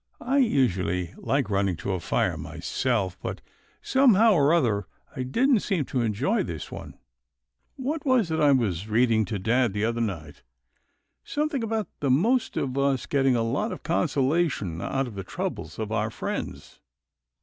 I usually like running to a fire, myself; but somehow or other, I didn't seem to enjoy this one — What was it I was reading to dad the other night — something about the most of us getting a lot of consolation out of the troubles of our friends.